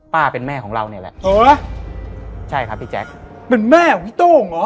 เป็นแม่ของเราเนี่ยแหละโหใช่ครับพี่แจ๊คเป็นแม่ของพี่โต้งเหรอ